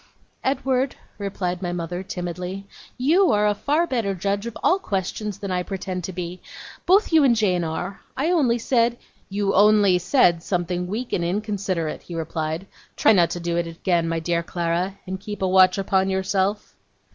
'Edward,' replied my mother, timidly, 'you are a far better judge of all questions than I pretend to be. Both you and Jane are. I only said ' 'You only said something weak and inconsiderate,' he replied. 'Try not to do it again, my dear Clara, and keep a watch upon yourself.